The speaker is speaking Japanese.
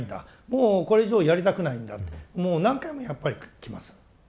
もうこれ以上やりたくないんだってもう何回もやっぱりきます。